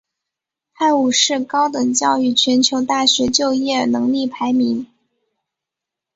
泰晤士高等教育全球大学就业能力排名。